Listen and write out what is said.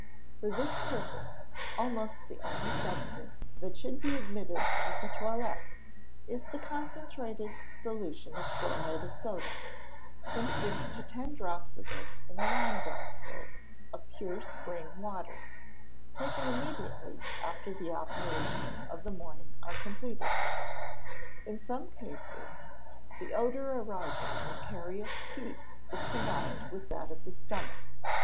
For this purpose, almost the only substance that should be admitted at the toilette is the concentrated solution of chloride of soda, from six to ten drops of it in a wineglassful of pure spring water, taken immediately after the operations of the morning are completed. In some cases, the odour arising from carious teeth is combined with that of the stomach.